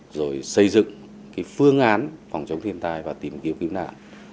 rồi xây dựng phương án phòng chống thiên tai và tìm hiểu cứu nạn